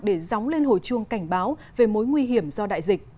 để dóng lên hồi chuông cảnh báo về mối nguy hiểm do đại dịch